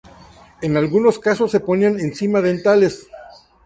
En algunos casos se ponían encima delantales.